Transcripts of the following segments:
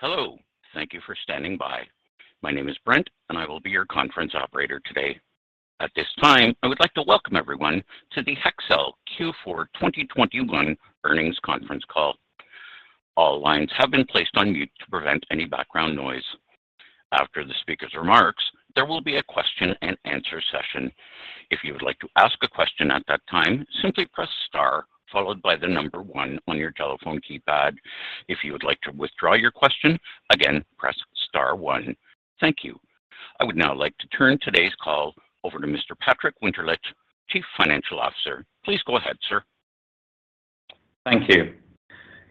Hello, thank you for standing by. My name is Brent, and I will be your conference operator today. At this time, I would like to welcome everyone to the Hexcel Q4 2021 Earnings Conference Call. All lines have been placed on mute to prevent any background noise. After the speaker's remarks, there will be a question-and-answer session. If you would like to ask a question at that time, simply press star followed by the number one on your telephone keypad. If you would like to withdraw your question, again, press star one. Thank you. I would now like to turn today's call over to Mr. Patrick Winterlich, Chief Financial Officer. Please go ahead, sir. Thank you.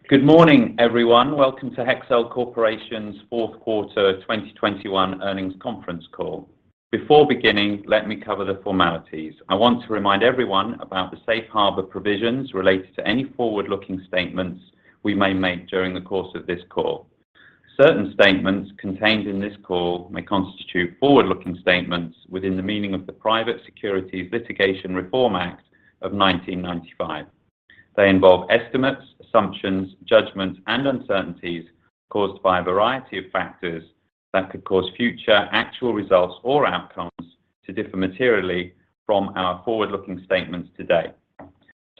Good morning, everyone. Welcome to Hexcel Corporation's Fourth Quarter 2021 Earnings Conference Call. Before beginning, let me cover the formalities. I want to remind everyone about the safe harbor provisions related to any forward-looking statements we may make during the course of this call. Certain statements contained in this call may constitute forward-looking statements within the meaning of the Private Securities Litigation Reform Act of 1995. They involve estimates, assumptions, judgments, and uncertainties caused by a variety of factors that could cause future actual results or outcomes to differ materially from our forward-looking statements today.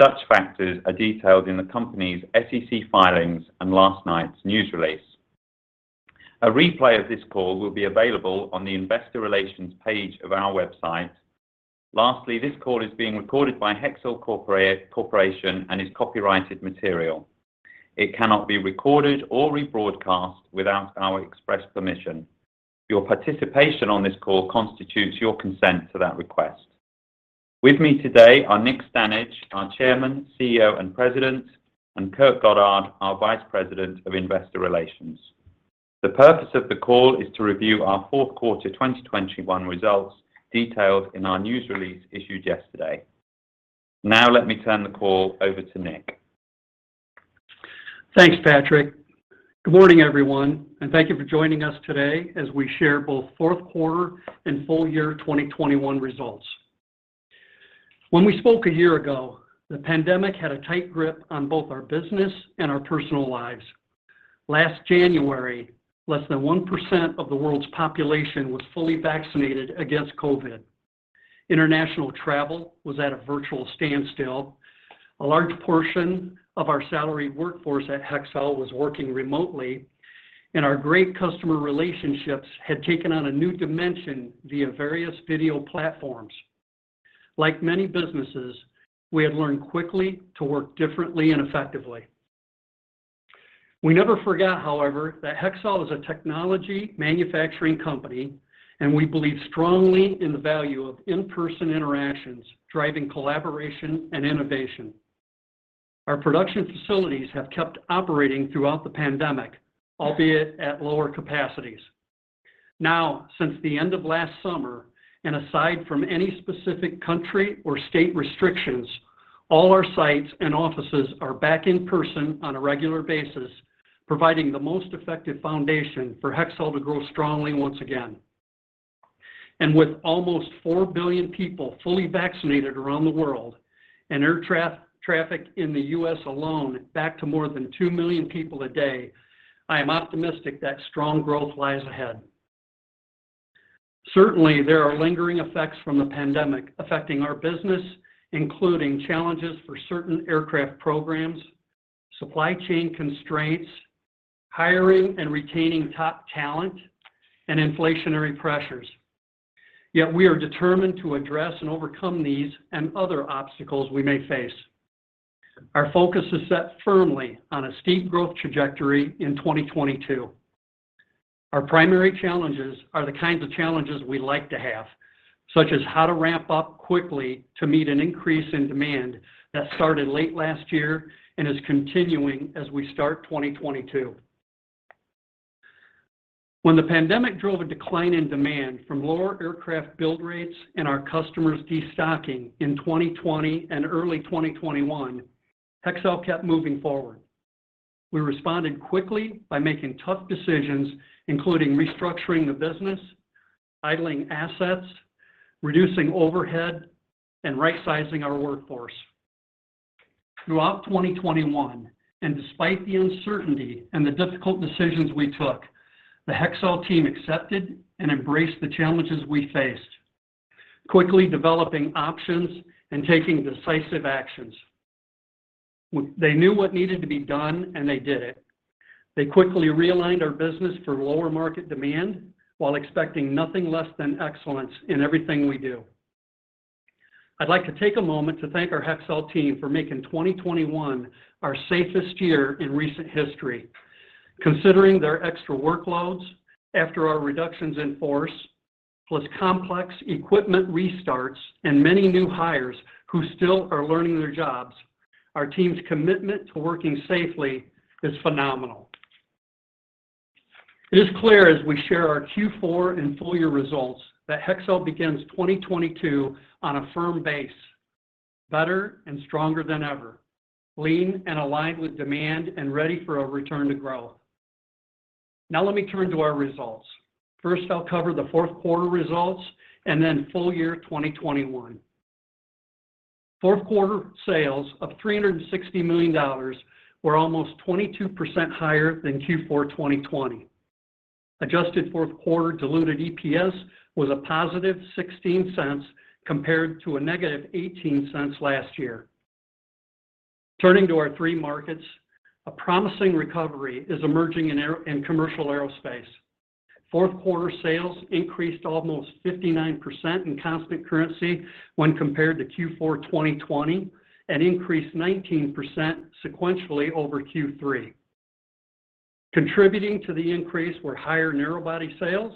Such factors are detailed in the company's SEC filings and last night's news release. A replay of this call will be available on the investor relations page of our website. Lastly, this call is being recorded by Hexcel Corporation and is copyrighted material. It cannot be recorded or rebroadcast without our express permission. Your participation on this call constitutes your consent to that request. With me today are Nick Stanage, our Chairman, CEO, and President, and Kurt Goddard, our Vice President of Investor Relations. The purpose of the call is to review our fourth quarter 2021 results detailed in our news release issued yesterday. Now let me turn the call over to Nick. Thanks, Patrick. Good morning, everyone, and thank you for joining us today as we share both fourth quarter and full year 2021 results. When we spoke a year ago, the pandemic had a tight grip on both our business and our personal lives. Last January, less than 1% of the world's population was fully vaccinated against COVID. International travel was at a virtual standstill. A large portion of our salaried workforce at Hexcel was working remotely, and our great customer relationships had taken on a new dimension via various video platforms. Like many businesses, we had learned quickly to work differently and effectively. We never forgot, however, that Hexcel is a technology manufacturing company, and we believe strongly in the value of in-person interactions driving collaboration and innovation. Our production facilities have kept operating throughout the pandemic, albeit at lower capacities. Now, since the end of last summer, and aside from any specific country or state restrictions, all our sites and offices are back in person on a regular basis, providing the most effective foundation for Hexcel to grow strongly once again. With almost 4 billion people fully vaccinated around the world, and air traffic in the U.S. alone back to more than 2 million people a day, I am optimistic that strong growth lies ahead. Certainly, there are lingering effects from the pandemic affecting our business, including challenges for certain aircraft programs, supply chain constraints, hiring and retaining top talent, and inflationary pressures. Yet we are determined to address and overcome these and other obstacles we may face. Our focus is set firmly on a steep growth trajectory in 2022. Our primary challenges are the kinds of challenges we like to have, such as how to ramp up quickly to meet an increase in demand that started late last year and is continuing as we start 2022. When the pandemic drove a decline in demand from lower aircraft build rates and our customers destocking in 2020 and early 2021, Hexcel kept moving forward. We responded quickly by making tough decisions, including restructuring the business, idling assets, reducing overhead, and rightsizing our workforce. Throughout 2021, and despite the uncertainty and the difficult decisions we took, the Hexcel team accepted and embraced the challenges we faced, quickly developing options and taking decisive actions. They knew what needed to be done, and they did it. They quickly realigned our business for lower market demand while expecting nothing less than excellence in everything we do. I'd like to take a moment to thank our Hexcel team for making 2021 our safest year in recent history. Considering their extra workloads after our reductions in force, plus complex equipment restarts and many new hires who still are learning their jobs, our team's commitment to working safely is phenomenal. It is clear as we share our Q4 and full year results that Hexcel begins 2022 on a firm base, better and stronger than ever, lean and aligned with demand and ready for a return to growth. Now let me turn to our results. First, I'll cover the fourth quarter results and then full year 2021. Fourth quarter sales of $360 million were almost 22% higher than Q4 2020. Adjusted fourth quarter diluted EPS was a positive $0.16 compared to a negative $0.18 last year. Turning to our three markets, a promising recovery is emerging in commercial aerospace. Fourth quarter sales increased almost 59% in constant currency when compared to Q4 2020, and increased 19% sequentially over Q3. Contributing to the increase were higher narrow body sales,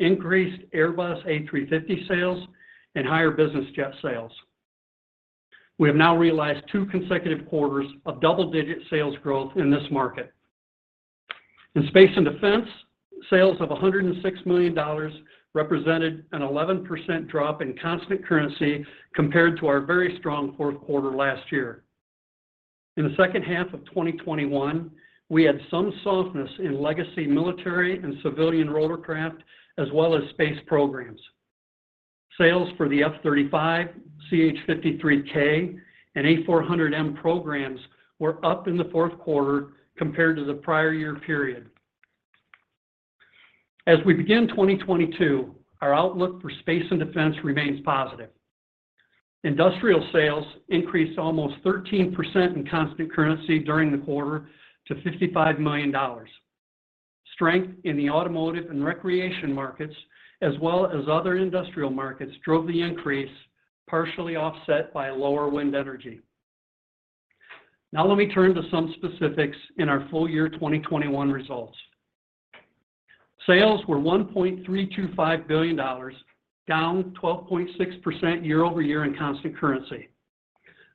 increased Airbus A350 sales, and higher business jet sales. We have now realized two consecutive quarters of double-digit sales growth in this market. In space and defense, sales of $106 million represented an 11% drop in constant currency compared to our very strong fourth quarter last year. In the second half of 2021, we had some softness in legacy military and civilian rotorcraft, as well as space programs. Sales for the F-35, CH-53K, and A400M programs were up in the fourth quarter compared to the prior year period. As we begin 2022, our outlook for space and defense remains positive. Industrial sales increased almost 13% in constant currency during the quarter to $55 million. Strength in the automotive and recreation markets, as well as other industrial markets, drove the increase, partially offset by lower wind energy. Now let me turn to some specifics in our full year 2021 results. Sales were $1.325 billion, down 12.6% year-over-year in constant currency.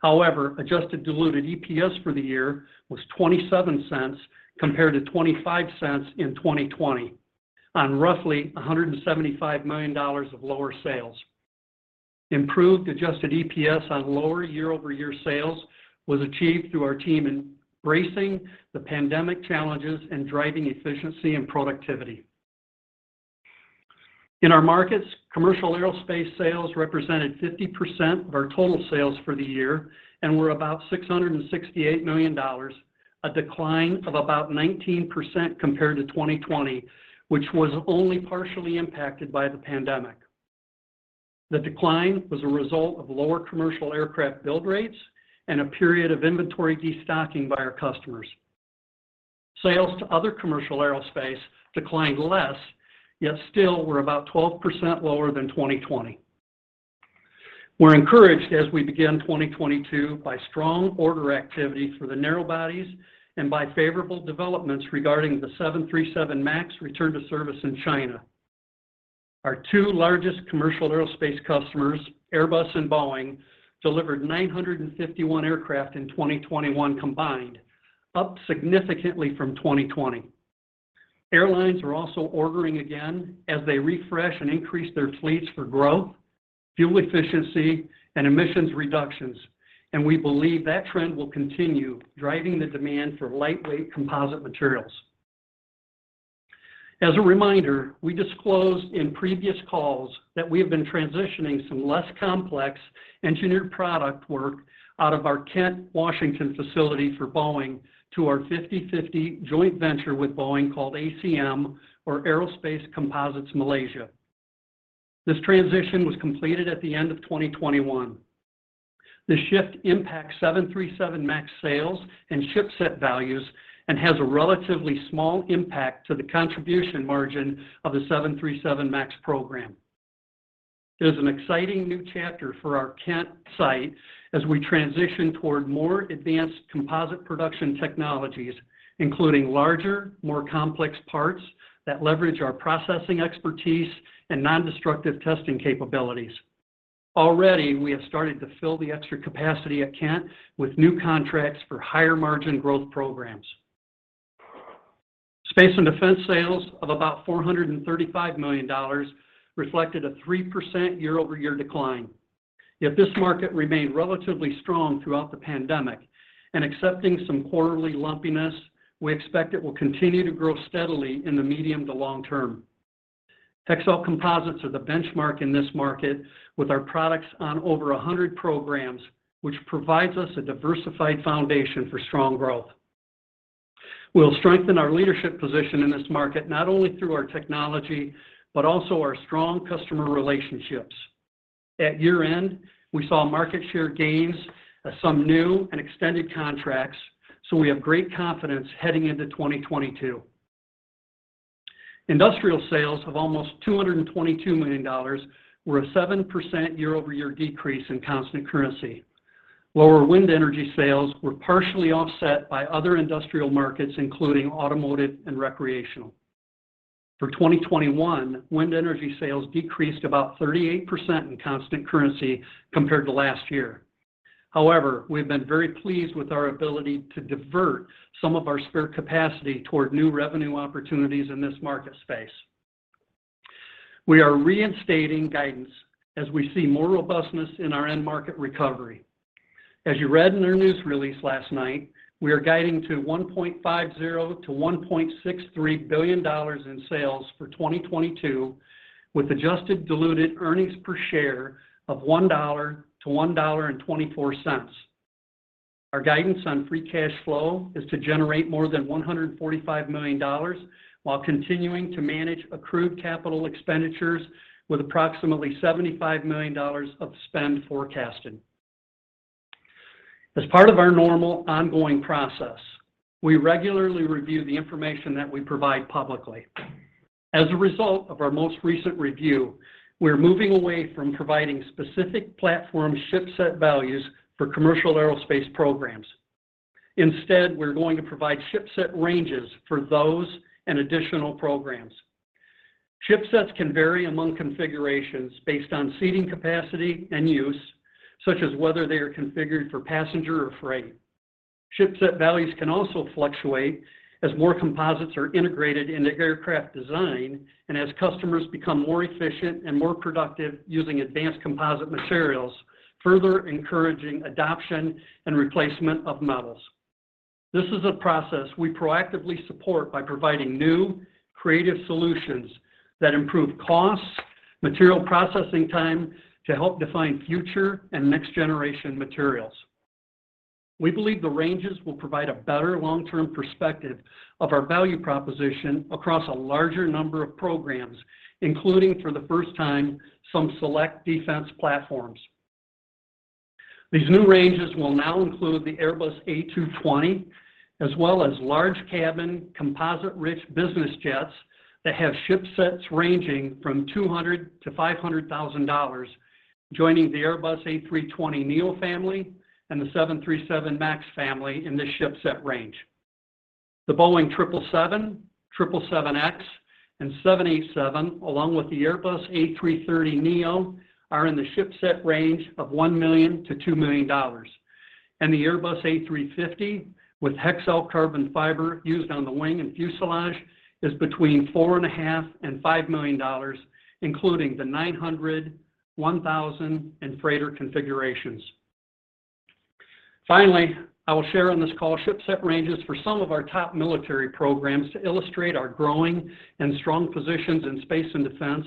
However, adjusted diluted EPS for the year was $0.27 compared to $0.25 in 2020 on roughly $175 million of lower sales. Improved adjusted EPS on lower year-over-year sales was achieved through our team embracing the pandemic challenges and driving efficiency and productivity. In our markets, commercial aerospace sales represented 50% of our total sales for the year and were about $668 million, a decline of about 19% compared to 2020, which was only partially impacted by the pandemic. The decline was a result of lower commercial aircraft build rates and a period of inventory destocking by our customers. Sales to other commercial aerospace declined less, yet still were about 12% lower than 2020. We're encouraged as we begin 2022 by strong order activity for the narrow bodies and by favorable developments regarding the 737 MAX return to service in China. Our two largest commercial aerospace customers, Airbus and Boeing, delivered 951 aircraft in 2021 combined, up significantly from 2020. Airlines are also ordering again as they refresh and increase their fleets for growth, fuel efficiency, and emissions reductions, and we believe that trend will continue driving the demand for lightweight composite materials. As a reminder, we disclosed in previous calls that we have been transitioning some less complex engineered product work out of our Kent, Washington facility for Boeing to our 50/50 joint venture with Boeing called ACM, or Aerospace Composites Malaysia. This transition was completed at the end of 2021. The shift impacts 737 MAX sales and ship set values and has a relatively small impact to the contribution margin of the 737 MAX program. It is an exciting new chapter for our Kent site as we transition toward more advanced composite production technologies, including larger, more complex parts that leverage our processing expertise and nondestructive testing capabilities. Already, we have started to fill the extra capacity at Kent with new contracts for higher margin growth programs. Space and defense sales of about $435 million reflected a 3% year-over-year decline. Yet this market remained relatively strong throughout the pandemic, and excepting some quarterly lumpiness, we expect it will continue to grow steadily in the medium to long term. Hexcel composites are the benchmark in this market with our products on over 100 programs, which provides us a diversified foundation for strong growth. We'll strengthen our leadership position in this market not only through our technology, but also our strong customer relationships. At year-end, we saw market share gains as some new and extended contracts, so we have great confidence heading into 2022. Industrial sales of almost $222 million were a 7% year-over-year decrease in constant currency. Lower wind energy sales were partially offset by other industrial markets, including automotive and recreational. For 2021, wind energy sales decreased about 38% in constant currency compared to last year. However, we've been very pleased with our ability to divert some of our spare capacity toward new revenue opportunities in this market space. We are reinstating guidance as we see more robustness in our end market recovery. As you read in our news release last night, we are guiding to $1.50 billion-$1.63 billion in sales for 2022, with adjusted diluted earnings per share of $1.00-$1.24. Our guidance on free cash flow is to generate more than $145 million while continuing to manage accrued capital expenditures with approximately $75 million of spend forecasted. As part of our normal ongoing process, we regularly review the information that we provide publicly. As a result of our most recent review, we're moving away from providing specific platform ship set values for commercial aerospace programs. Instead, we're going to provide ship set ranges for those and additional programs. Ship sets can vary among configurations based on seating capacity and use, such as whether they are configured for passenger or freight. Ship set values can also fluctuate as more composites are integrated into aircraft design and as customers become more efficient and more productive using advanced composite materials, further encouraging adoption and replacement of metals. This is a process we proactively support by providing new, creative solutions that improve costs, material processing time to help define future and next-generation materials. We believe the ranges will provide a better long-term perspective of our value proposition across a larger number of programs, including, for the first time, some select defense platforms. These new ranges will now include the Airbus A220, as well as large cabin, composite-rich business jets that have ship sets ranging from $200,000-$500,000, joining the Airbus A320neo family and the 737 MAX family in the ship set range. The Boeing 777, 777X, and 787, along with the Airbus A330neo, are in the ship set range of $1 million-$2 million. The Airbus A350 with Hexcel carbon fiber used on the wing and fuselage is between $4.5 million-$5 million, including the 900, 1,000, and freighter configurations. Finally, I will share on this call ship set ranges for some of our top military programs to illustrate our growing and strong positions in space and defense,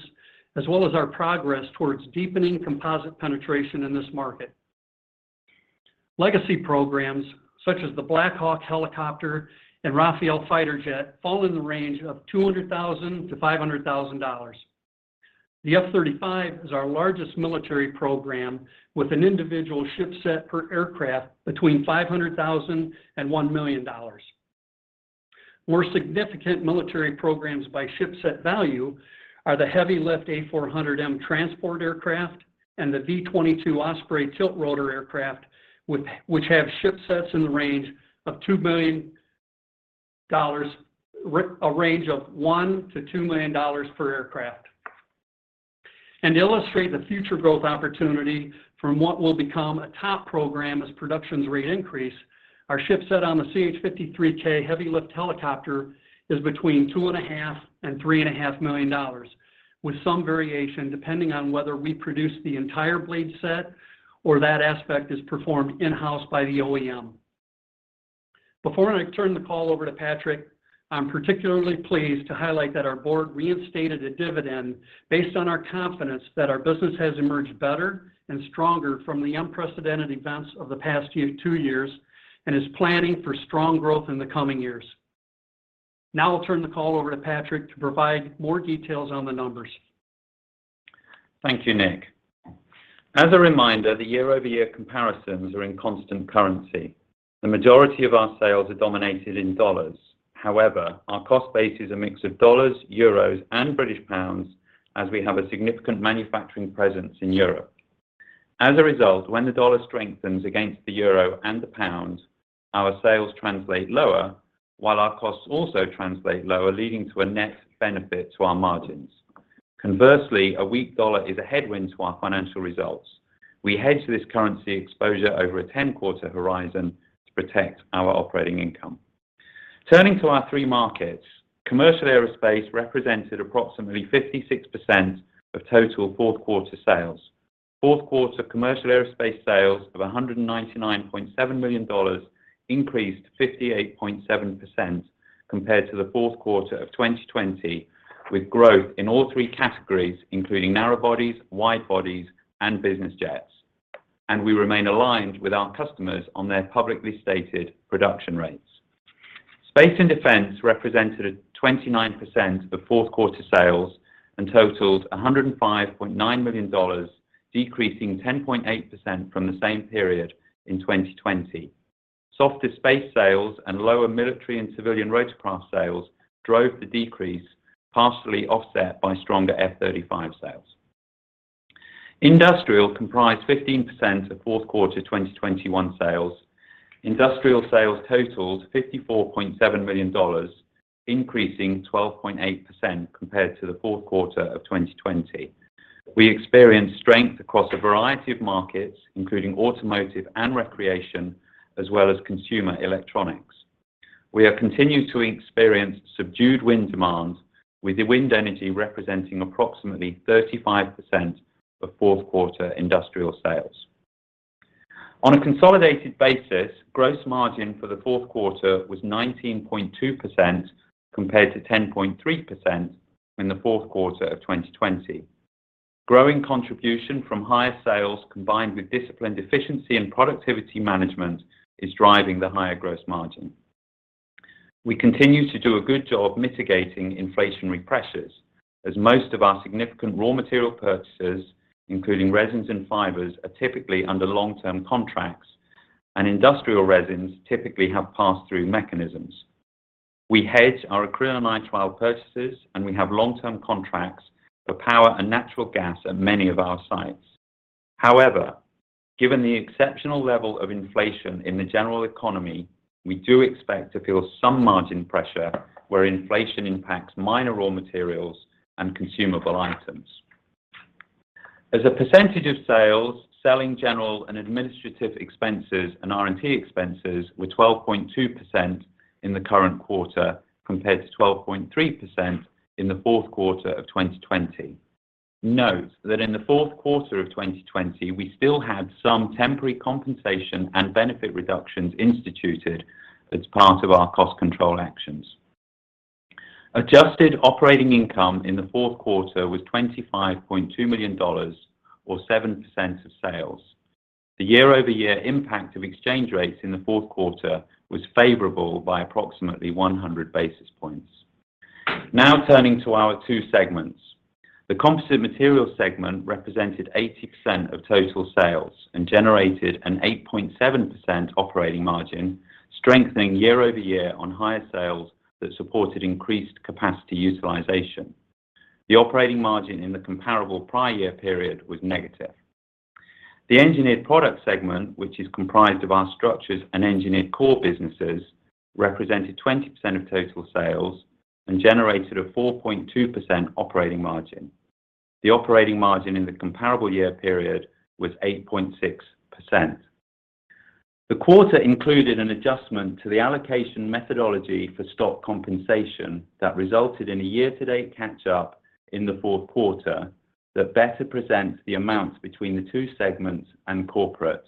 as well as our progress towards deepening composite penetration in this market. Legacy programs such as the Black Hawk helicopter and Rafale fighter jet fall in the range of $200,000-$500,000. The F-35 is our largest military program with an individual ship set per aircraft between $500,000-$1 million. More significant military programs by ship set value are the heavy lift A400M transport aircraft and the V-22 Osprey tiltrotor aircraft which have ship sets in the range of $2 million, a range of $1 million-$2 million per aircraft. To illustrate the future growth opportunity from what will become a top program as production rates increase, our ship set on the CH-53K heavy lift helicopter is between $2.5 million-$3.5 million, with some variation depending on whether we produce the entire blade set or that aspect is performed in-house by the OEM. Before I turn the call over to Patrick, I'm particularly pleased to highlight that our board reinstated a dividend based on our confidence that our business has emerged better and stronger from the unprecedented events of the past two years and is planning for strong growth in the coming years. Now I'll turn the call over to Patrick to provide more details on the numbers. Thank you, Nick. As a reminder, the year-over-year comparisons are in constant currency. The majority of our sales are dominated in dollars. However, our cost base is a mix of dollars, euros, and British pounds, as we have a significant manufacturing presence in Europe. As a result, when the dollar strengthens against the euro and the pound, our sales translate lower, while our costs also translate lower, leading to a net benefit to our margins. Conversely, a weak dollar is a headwind to our financial results. We hedge this currency exposure over a 10-quarter horizon to protect our operating income. Turning to our three markets, commercial aerospace represented approximately 56% of total fourth quarter sales. Fourth quarter Commercial Aerospace sales of $199.7 million increased 58.7% compared to the fourth quarter of 2020, with growth in all three categories, including narrow bodies, wide bodies, and business jets. We remain aligned with our customers on their publicly stated production rates. Space and Defense represented 29% of fourth quarter sales and totaled $105.9 million, decreasing 10.8% from the same period in 2020. Softer space sales and lower military and civilian rotorcraft sales drove the decrease, partially offset by stronger F-35 sales. Industrial comprised 15% of fourth quarter 2021 sales. Industrial sales totaled $54.7 million, increasing 12.8% compared to the fourth quarter of 2020. We experienced strength across a variety of markets, including automotive and recreation, as well as consumer electronics. We have continued to experience subdued wind demand with the wind energy representing approximately 35% of fourth quarter industrial sales. On a consolidated basis, gross margin for the fourth quarter was 19.2% compared to 10.3% in the fourth quarter of 2020. Growing contribution from higher sales combined with disciplined efficiency and productivity management is driving the higher gross margin. We continue to do a good job mitigating inflationary pressures as most of our significant raw material purchases, including resins and fibers, are typically under long-term contracts, and industrial resins typically have pass-through mechanisms. We hedge our acrylonitrile purchases, and we have long-term contracts for power and natural gas at many of our sites. However, given the exceptional level of inflation in the general economy, we do expect to feel some margin pressure where inflation impacts minor raw materials and consumable items. As a percentage of sales, selling, general and administrative expenses and R&T expenses were 12.2% in the current quarter compared to 12.3% in the fourth quarter of 2020. Note that in the fourth quarter of 2020, we still had some temporary compensation and benefit reductions instituted as part of our cost control actions. Adjusted operating income in the fourth quarter was $25.2 million or 7% of sales. The year-over-year impact of exchange rates in the fourth quarter was favorable by approximately 100 basis points. Now turning to our two segments. The Composite Materials segment represented 80% of total sales and generated an 8.7% operating margin, strengthening year-over-year on higher sales that supported increased capacity utilization. The operating margin in the comparable prior year period was negative. The Engineered Products segment, which is comprised of our structures and engineered core businesses, represented 20% of total sales and generated a 4.2% operating margin. The operating margin in the comparable year period was 8.6%. The quarter included an adjustment to the allocation methodology for stock compensation that resulted in a year-to-date catch-up in the fourth quarter that better presents the amounts between the two segments and corporate.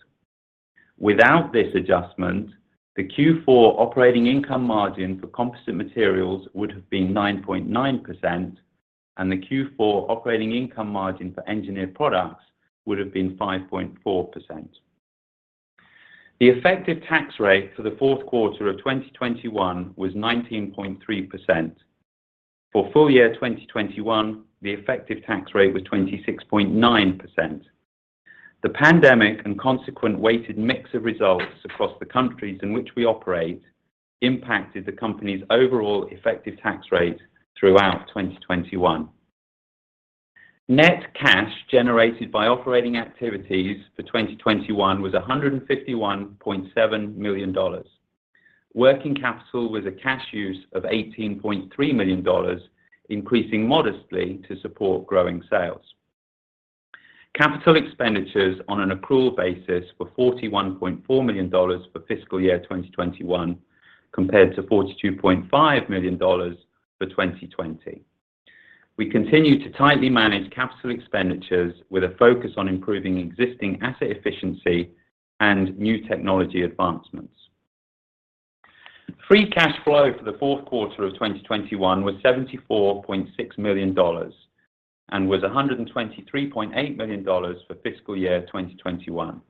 Without this adjustment, the Q4 operating income margin for Composite Materials would have been 9.9%, and the Q4 operating income margin for Engineered Products would have been 5.4%. The effective tax rate for the fourth quarter of 2021 was 19.3%. For full year 2021, the effective tax rate was 26.9%. The pandemic and consequent weighted mix of results across the countries in which we operate impacted the company's overall effective tax rate throughout 2021. Net cash generated by operating activities for 2021 was $151.7 million. Working capital was a cash use of $18.3 million, increasing modestly to support growing sales. Capital expenditures on an accrual basis were $41.4 million for fiscal year 2021 compared to $42.5 million for 2020. We continue to tightly manage capital expenditures with a focus on improving existing asset efficiency and new technology advancements. Free cash flow for the fourth quarter of 2021 was $74.6 million and was $123.8 million for fiscal year 2021.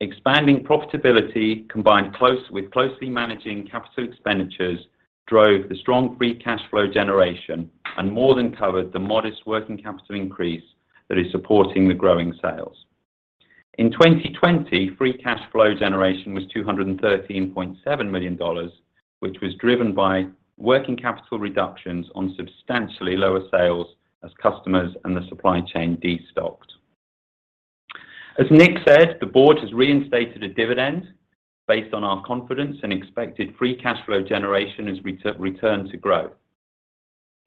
Expanding profitability combined with closely managing capital expenditures drove the strong free cash flow generation and more than covered the modest working capital increase that is supporting the growing sales. In 2020, free cash flow generation was $213.7 million, which was driven by working capital reductions on substantially lower sales as customers and the supply chain destocked. As Nick said, the board has reinstated a dividend based on our confidence and expected free cash flow generation has returned to growth.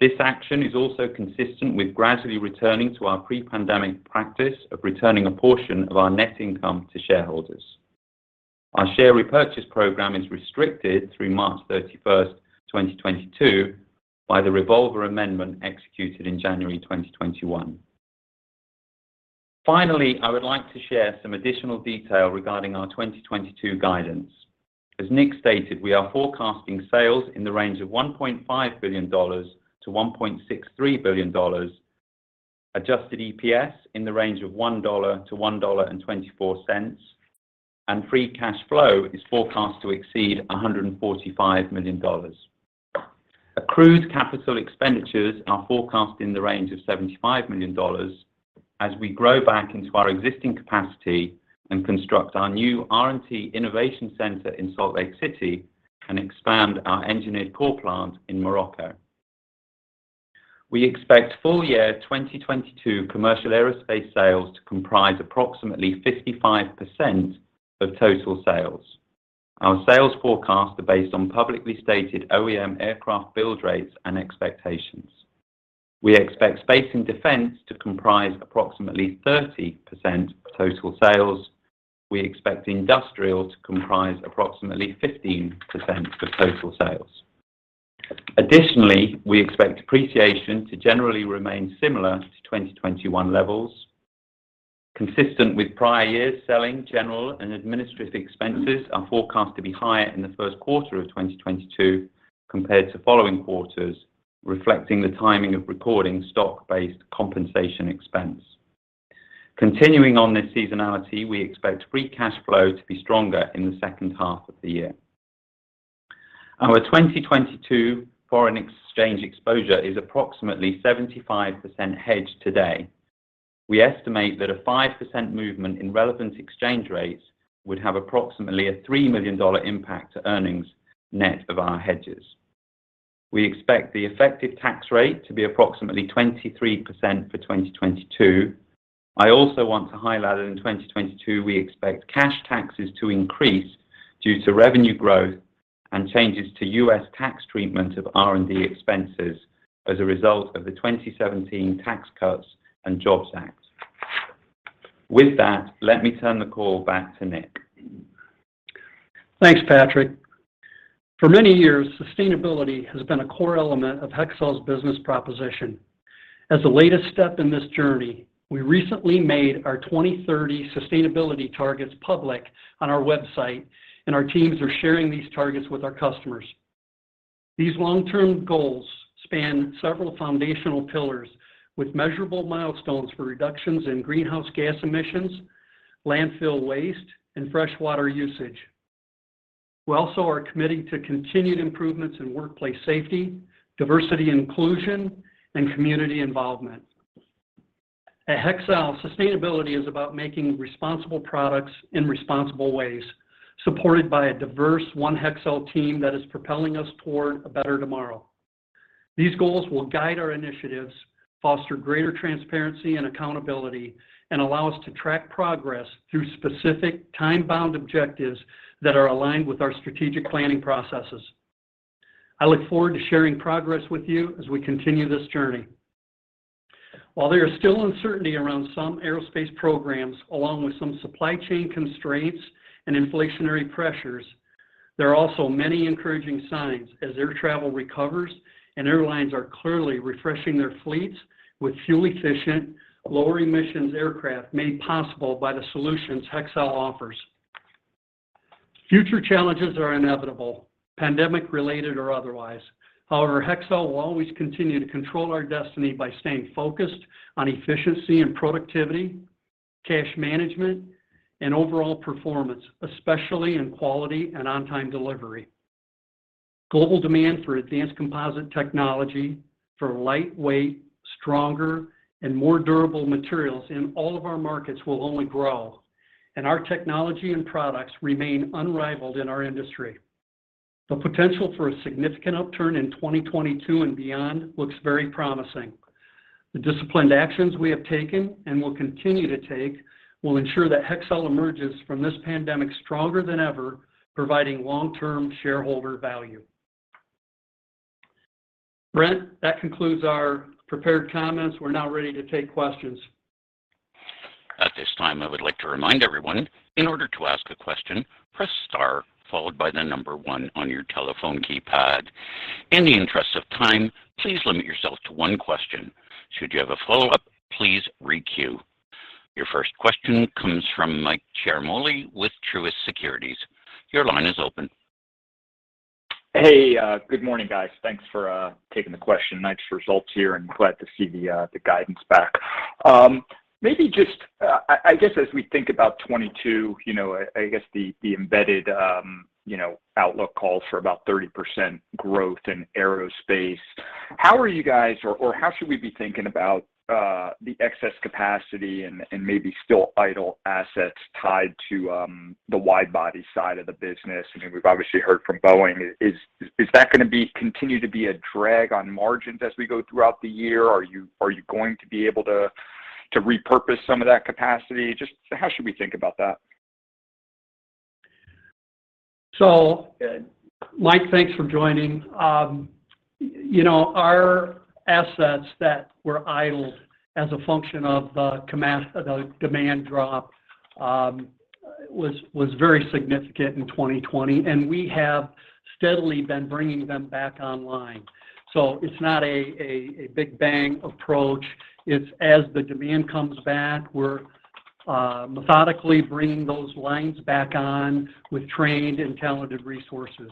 This action is also consistent with gradually returning to our pre-pandemic practice of returning a portion of our net income to shareholders. Our share repurchase program is restricted through March 31st, 2022 by the revolver amendment executed in January 2021. Finally, I would like to share some additional detail regarding our 2022 guidance. As Nick stated, we are forecasting sales in the range of $1.5 billion-$1.63 billion, adjusted EPS in the range of $1-$1.24, and free cash flow is forecast to exceed $145 million. Accrued capital expenditures are forecast in the range of $75 million as we grow back into our existing capacity and construct our new R&T Innovation Center in Salt Lake City and expand our engineered core plant in Morocco. We expect full year 2022 commercial aerospace sales to comprise approximately 55% of total sales. Our sales forecasts are based on publicly stated OEM aircraft build rates and expectations. We expect Space and Defense to comprise approximately 30% of total sales. We expect Industrial to comprise approximately 15% of total sales. Additionally, we expect depreciation to generally remain similar to 2021 levels. Consistent with prior years, selling, general, and administrative expenses are forecast to be higher in the first quarter of 2022 compared to following quarters, reflecting the timing of recording stock-based compensation expense. Continuing on this seasonality, we expect free cash flow to be stronger in the second half of the year. Our 2022 foreign exchange exposure is approximately 75% hedged today. We estimate that a 5% movement in relevant exchange rates would have approximately a $3 million impact to earnings net of our hedges. We expect the effective tax rate to be approximately 23% for 2022. I also want to highlight that in 2022 we expect cash taxes to increase due to revenue growth and changes to U.S. tax treatment of R&D expenses as a result of the 2017 Tax Cuts and Jobs Act. With that, let me turn the call back to Nick. Thanks, Patrick. For many years, sustainability has been a core element of Hexcel's business proposition. As the latest step in this journey, we recently made our 2030 sustainability targets public on our website and our teams are sharing these targets with our customers. These long-term goals span several foundational pillars with measurable milestones for reductions in greenhouse gas emissions, landfill waste, and freshwater usage. We also are committing to continued improvements in workplace safety, diversity inclusion, and community involvement. At Hexcel, sustainability is about making responsible products in responsible ways, supported by a diverse One Hexcel team that is propelling us toward a better tomorrow. These goals will guide our initiatives, foster greater transparency and accountability, and allow us to track progress through specific time-bound objectives that are aligned with our strategic planning processes. I look forward to sharing progress with you as we continue this journey. While there is still uncertainty around some aerospace programs, along with some supply chain constraints and inflationary pressures, there are also many encouraging signs as air travel recovers and airlines are clearly refreshing their fleets with fuel-efficient, lower emissions aircraft made possible by the solutions Hexcel offers. Future challenges are inevitable, pandemic-related or otherwise. However, Hexcel will always continue to control our destiny by staying focused on efficiency and productivity, cash management, and overall performance, especially in quality and on-time delivery. Global demand for advanced composite technology for lightweight, stronger, and more durable materials in all of our markets will only grow, and our technology and products remain unrivaled in our industry. The potential for a significant upturn in 2022 and beyond looks very promising. The disciplined actions we have taken and will continue to take will ensure that Hexcel emerges from this pandemic stronger than ever, providing long-term shareholder value. Brent, that concludes our prepared comments. We're now ready to take questions. At this time, I would like to remind everyone, in order to ask a question, press star followed by the number one on your telephone keypad. In the interest of time, please limit yourself to one question. Should you have a follow-up, please re-queue. Your first question comes from Mike Ciarmoli with Truist Securities. Your line is open. Hey, good morning, guys. Thanks for taking the question. Nice results here and glad to see the guidance back. Maybe just, I guess as we think about 2022, you know, I guess the embedded, you know, outlook calls for about 30% growth in aerospace. How are you guys or how should we be thinking about the excess capacity and maybe still idle assets tied to the wide body side of the business? I mean, we've obviously heard from Boeing. Is that gonna continue to be a drag on margins as we go throughout the year? Are you going to be able to repurpose some of that capacity? Just how should we think about that? Mike, thanks for joining. Our assets that were idled as a function of the demand drop was very significant in 2020, and we have steadily been bringing them back online. It's not a big bang approach. It's as the demand comes back, we're methodically bringing those lines back on with trained and talented resources.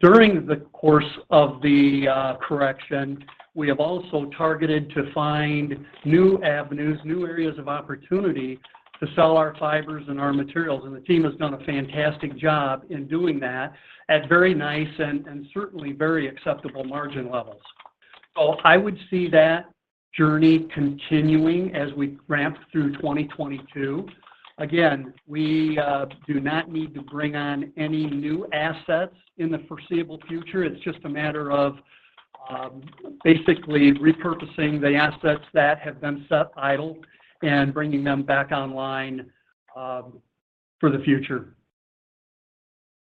During the course of the correction, we have also targeted to find new avenues, new areas of opportunity to sell our fibers and our materials, and the team has done a fantastic job in doing that at very nice and certainly very acceptable margin levels. I would see that journey continuing as we ramp through 2022. Again, we do not need to bring on any new assets in the foreseeable future. It's just a matter of basically repurposing the assets that have been set idle and bringing them back online for the future.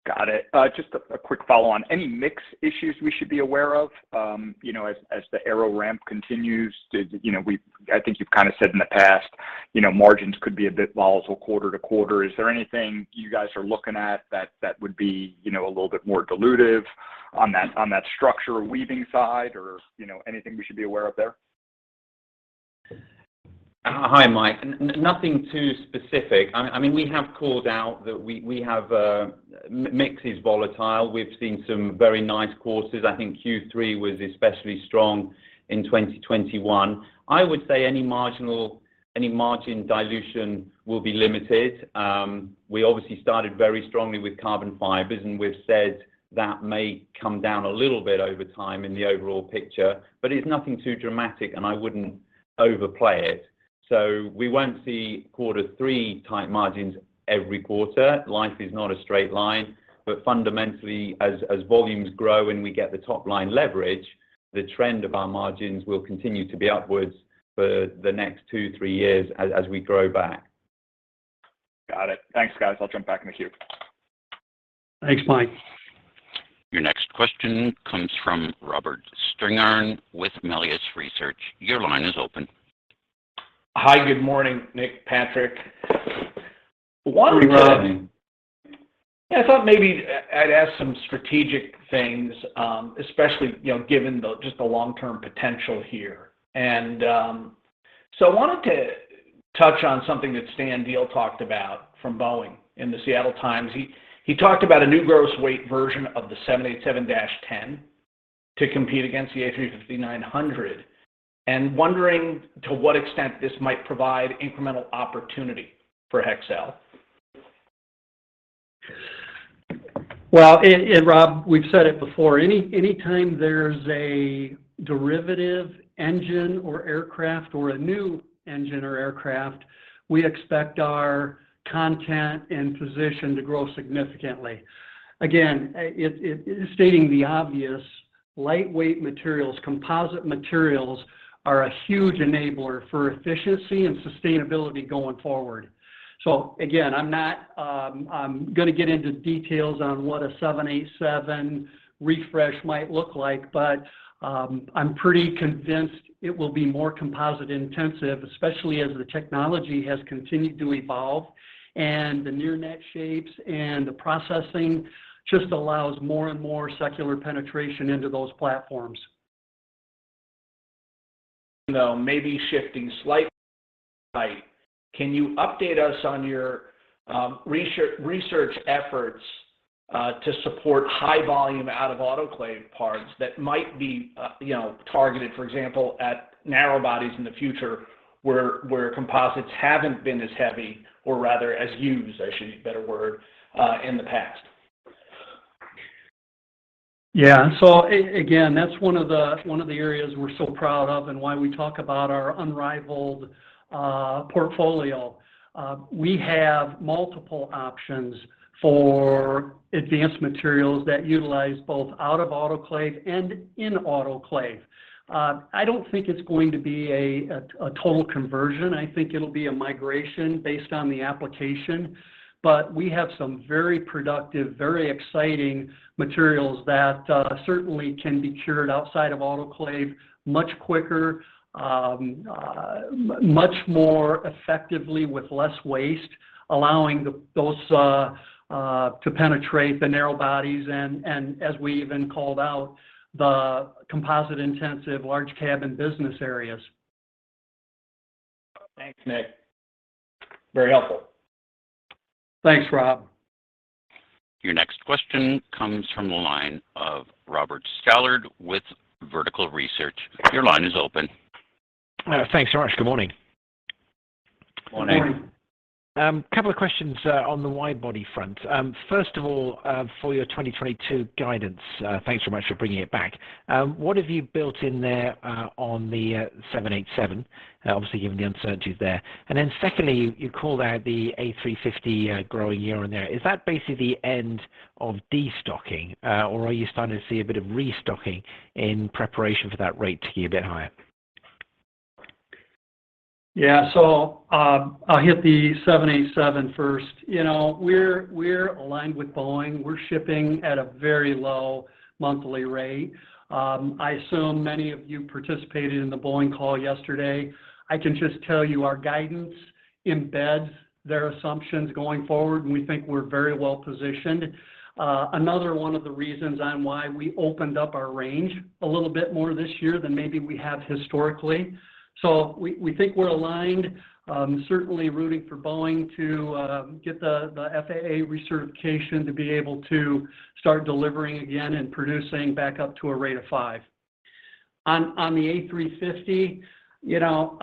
Got it. Just a quick follow on. Any mix issues we should be aware of, you know, as the Aero ramp continues? I think you've kind of said in the past, you know, margins could be a bit volatile quarter to quarter. Is there anything you guys are looking at that would be, you know, a little bit more dilutive on that structure weaving side, or, you know, anything we should be aware of there? Hi, Mike. Nothing too specific. I mean, we have called out that mix is volatile. We've seen some very nice quarters. I think Q3 was especially strong in 2021. I would say any margin dilution will be limited. We obviously started very strongly with carbon fibers, and we've said that may come down a little bit over time in the overall picture, but it's nothing too dramatic, and I wouldn't overplay it. We won't see quarter three tight margins every quarter. Life is not a straight line. Fundamentally, as volumes grow and we get the top line leverage, the trend of our margins will continue to be upwards for the next two, three years as we grow back. Got it. Thanks, guys. I'll jump back in the queue. Thanks, Mike. Your next question comes from Robert Spingarn with Melius Research. Your line is open. Hi. Good morning, Nick, Patrick. Good morning Rob. One, Yeah, I thought maybe I'd ask some strategic things, especially, you know, given the, just the long-term potential here. I wanted to touch on something that Stan Deal talked about from Boeing in The Seattle Times. He talked about a new gross weight version of the 787-10 to compete against the A350-900, and wondering to what extent this might provide incremental opportunity for Hexcel. Well, Rob, we've said it before, anytime there's a derivative engine or aircraft or a new engine or aircraft, we expect our content and position to grow significantly. Again, it is stating the obvious, lightweight materials, composite materials are a huge enabler for efficiency and sustainability going forward. Again, I'm not gonna get into details on what a 787 refresh might look like, but I'm pretty convinced it will be more composite intensive, especially as the technology has continued to evolve and the near net shapes and the processing just allows more and more secular penetration into those platforms. You know, maybe shifting slightly, can you update us on your research efforts to support high volume out-of-autoclave parts that might be, you know, targeted, for example, at narrow bodies in the future where composites haven't been as heavy, or rather as used, I should use a better word, in the past? Yeah. Again, that's one of the areas we're so proud of and why we talk about our unrivaled portfolio. We have multiple options for advanced materials that utilize both out-of-autoclave and in autoclave. I don't think it's going to be a total conversion. I think it'll be a migration based on the application. We have some very productive, very exciting materials that certainly can be cured outside of autoclave much quicker, much more effectively with less waste, allowing those to penetrate the narrow bodies and as we even called out, the composite intensive large cabin business areas. Thanks, Nick. Very helpful. Thanks, Rob. Your next question comes from the line of Robert Stallard with Vertical Research. Your line is open. Thanks so much. Good morning. Morning. Morning. Couple of questions on the wide body front. First of all, for your 2022 guidance, thanks so much for bringing it back. What have you built in there on the 787, obviously given the uncertainties there? Secondly, you called out the A350 growing year-over-year. Is that basically the end of destocking or are you starting to see a bit of restocking in preparation for that rate to be a bit higher? Yeah. I'll hit the 787 first. You know, we're aligned with Boeing. We're shipping at a very low monthly rate. I assume many of you participated in the Boeing call yesterday. I can just tell you our guidance embeds their assumptions going forward, and we think we're very well positioned, another one of the reasons why we opened up our range a little bit more this year than maybe we have historically. We think we're aligned, certainly rooting for Boeing to get the FAA recertification to be able to start delivering again and producing back up to a rate of five. On the A350, you know,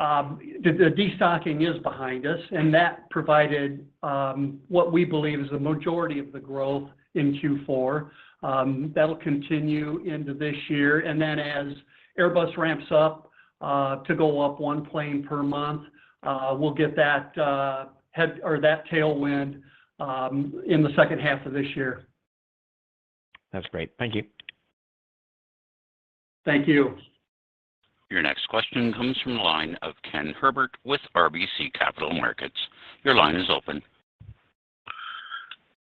the destocking is behind us, and that provided what we believe is the majority of the growth in Q4. That'll continue into this year, and then as Airbus ramps up to go up one plane per month, we'll get that headwind or that tailwind in the second half of this year. That's great. Thank you. Thank you. Your next question comes from the line of Ken Herbert with RBC Capital Markets. Your line is open.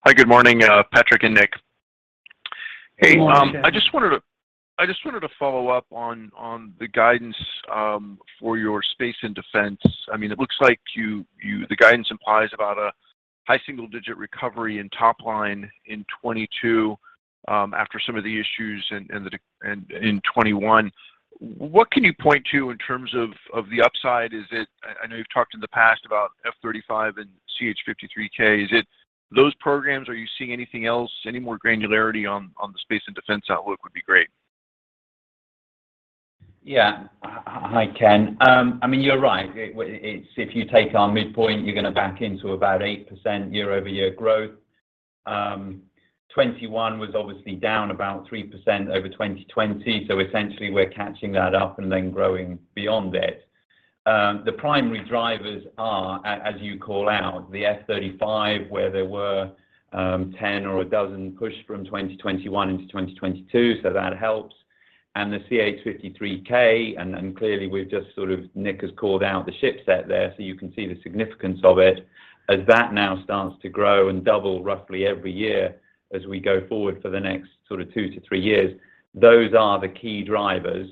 Hi, good morning, Patrick and Nick. Good morning, Ken. I just wanted to follow up on the guidance for your space and defense. I mean, it looks like the guidance implies about a high single-digit recovery in top line in 2022, after some of the issues in 2021. What can you point to in terms of the upside? I know you've talked in the past about F-35 and CH-53K. Is it those programs? Are you seeing anything else? Any more granularity on the space and defense outlook would be great. Yeah. Hi, Ken. I mean, you're right. If you take our midpoint, you're gonna back into about 8% year-over-year growth. 2021 was obviously down about 3% over 2020, so essentially we're catching that up and then growing beyond it. The primary drivers are, as you call out, the F-35, where there were 10 or a dozen pushed from 2021 into 2022, so that helps. The CH-53K, and clearly Nick has called out the ship set there, so you can see the significance of it. As that now starts to grow and double roughly every year as we go forward for the next sort of two to three years, those are the key drivers.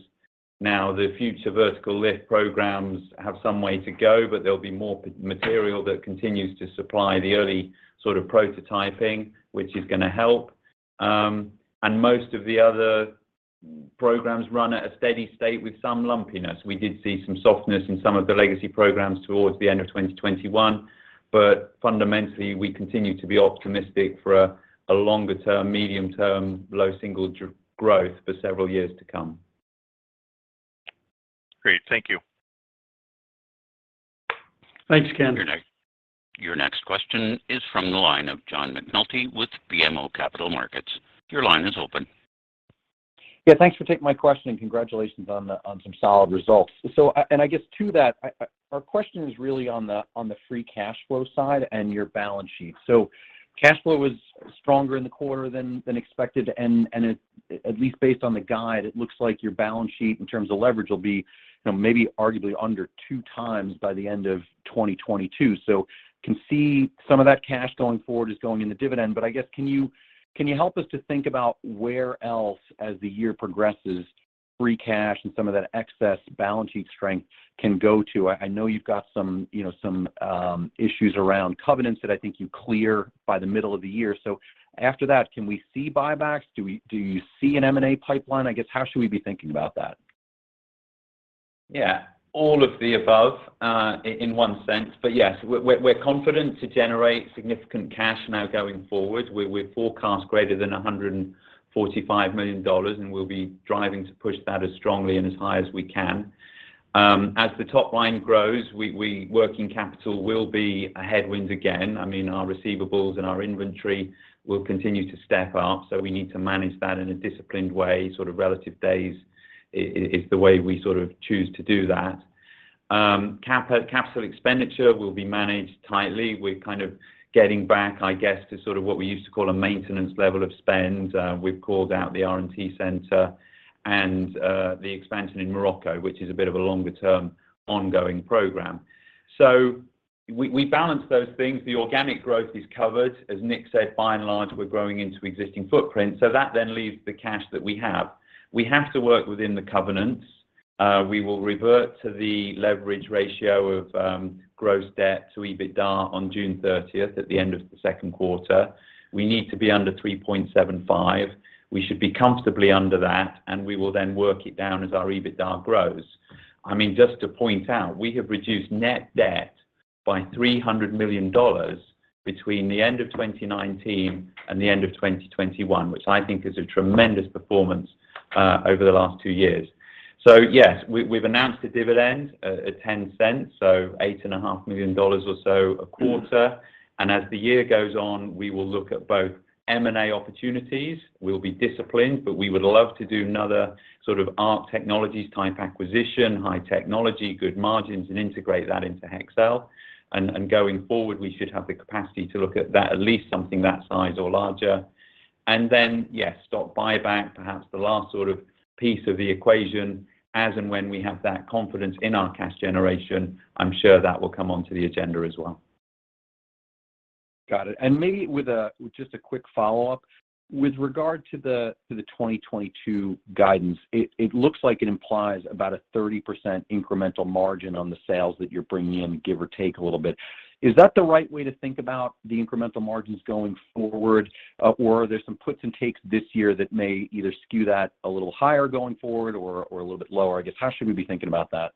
Now, the Future Vertical Lift programs have some way to go, but there'll be more material that continues to supply the early sort of prototyping, which is gonna help. Most of the other programs run at a steady state with some lumpiness. We did see some softness in some of the legacy programs towards the end of 2021, but fundamentally, we continue to be optimistic for a longer-term, medium-term, low single-digit growth for several years to come. Great. Thank you. Thanks, Ken. Your next question is from the line of John McNulty with BMO Capital Markets. Your line is open. Yeah, thanks for taking my question, and congratulations on some solid results. And I guess to that, our question is really on the free cash flow side and your balance sheet. Cash flow was stronger in the quarter than expected, and it, at least based on the guide, it looks like your balance sheet in terms of leverage will be, you know, maybe arguably under 2x by the end of 2022. I can see some of that cash going forward is going in the dividend, but I guess, can you help us to think about where else as the year progresses, free cash and some of that excess balance sheet strength can go to? I know you've got some, you know, some, issues around covenants that I think you clear by the middle of the year. After that, can we see buybacks? Do you see an M&A pipeline? I guess, how should we be thinking about that? Yeah. All of the above, in one sense, but yes, we're confident to generate significant cash now going forward. We forecast greater than $145 million, and we'll be driving to push that as strongly and as high as we can. As the top line grows, working capital will be a headwind again. I mean, our receivables and our inventory will continue to step up, so we need to manage that in a disciplined way, sort of relative days is the way we sort of choose to do that. Capital expenditure will be managed tightly. We're kind of getting back, I guess, to sort of what we used to call a maintenance level of spend. We've called out the R&T center and the expansion in Morocco, which is a bit of a longer-term ongoing program. We balance those things. The organic growth is covered. As Nick said, by and large, we're growing into existing footprint, so that then leaves the cash that we have. We have to work within the covenants. We will revert to the leverage ratio of gross debt to EBITDA on June 30th, at the end of the second quarter. We need to be under 3.75. We should be comfortably under that, and we will then work it down as our EBITDA grows. I mean, just to point out, we have reduced net debt by $300 million between the end of 2019 and the end of 2021, which I think is a tremendous performance over the last two years. Yes, we've announced a dividend at $0.10, so $8.5 million or so a quarter. As the year goes on, we will look at both M&A opportunities. We'll be disciplined, but we would love to do another sort of ARC Technologies type acquisition, high technology, good margins, and integrate that into Hexcel. Going forward, we should have the capacity to look at that, at least something that size or larger. Yes, stock buyback, perhaps the last sort of piece of the equation as and when we have that confidence in our cash generation, I'm sure that will come onto the agenda as well. Got it. Maybe with just a quick follow-up. With regard to the 2022 guidance, it looks like it implies about a 30% incremental margin on the sales that you're bringing in, give or take a little bit. Is that the right way to think about the incremental margins going forward? Or are there some puts and takes this year that may either skew that a little higher going forward or a little bit lower? I guess, how should we be thinking about that?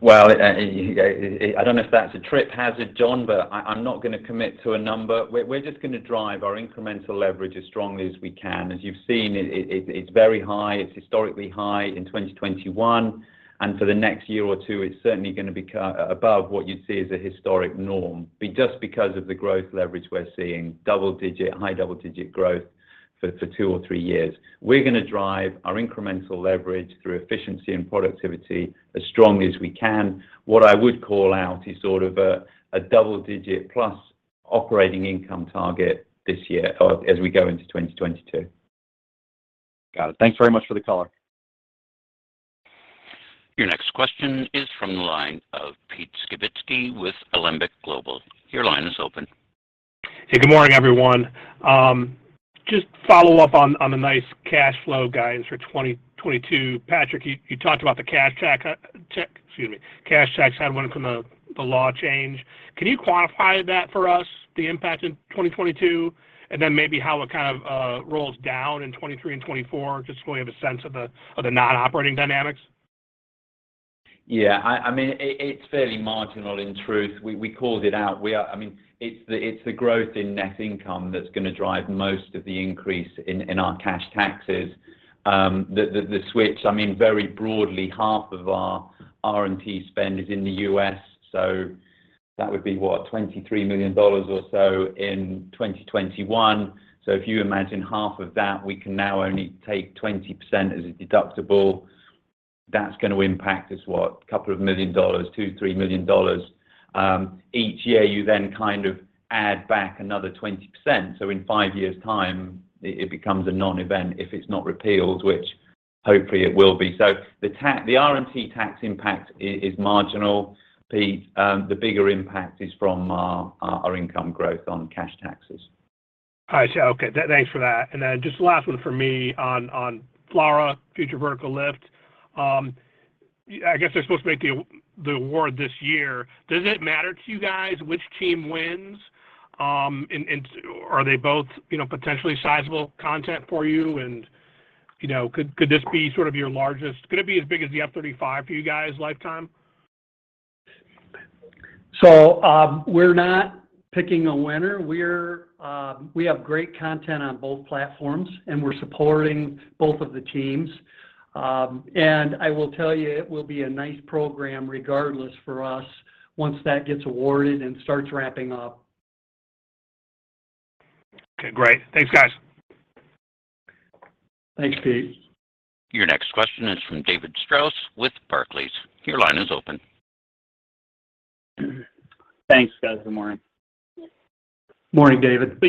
Well, I don't know if that's a trip hazard, John, but I'm not gonna commit to a number. We're just gonna drive our incremental leverage as strongly as we can. As you've seen, it's very high. It's historically high in 2021, and for the next year or two, it's certainly gonna be above what you'd see as a historic norm. Just because of the growth leverage we're seeing, double-digit, high double-digit growth for two or three years. We're gonna drive our incremental leverage through efficiency and productivity as strongly as we can. What I would call out is sort of a double-digit plus operating income target this year, as we go into 2022. Got it. Thanks very much for the color. Your next question is from the line of Pete Skibitski with Alembic Global. Your line is open. Hey, good morning, everyone. Just follow up on the nice cash flow guidance for 2022. Patrick, you talked about the cash tax hadn't come from the law change. Can you quantify that for us, the impact in 2022? Maybe how it kind of rolls down in 2023 and 2024, just so we have a sense of the non-operating dynamics. Yeah. I mean, it's fairly marginal in truth. We called it out. I mean, it's the growth in net income that's gonna drive most of the increase in our cash taxes. The switch, I mean, very broadly, half of our R&T spend is in the U.S., so that would be what? $23 million or so in 2021. So if you imagine half of that, we can now only take 20% as a deductible. That's gonna impact us what? A couple of million dollars, $2 million-$3 million. Each year you then kind of add back another 20%. So in five years' time, it becomes a non-event if it's not repealed, which hopefully it will be. So the R&T tax impact is marginal, Pete. The bigger impact is from our income growth on cash taxes. I see. Okay. Thanks for that. Just last one for me on FLRAA Future Vertical Lift. I guess they're supposed to make the award this year. Does it matter to you guys which team wins? Are they both, you know, potentially sizable content for you? You know, could this be sort of your largest? Could it be as big as the F-35 for you guys lifetime? We're not picking a winner. We have great content on both platforms, and we're supporting both of the teams. I will tell you, it will be a nice program regardless for us once that gets awarded and starts ramping up. Okay, great. Thanks, guys. Thanks, Pete. Your next question is from David Strauss with Barclays. Your line is open. Thanks, guys. Good morning. Morning, David.